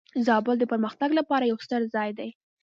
زابل د پرمختګ لپاره یو ستر ځای دی.